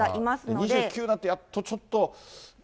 ２９になるとやっとちょっと。